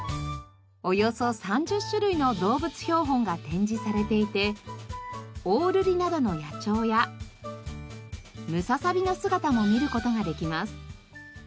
およそ３０種類の動物標本が展示されていてオオルリなどの野鳥やムササビの姿も見る事ができます。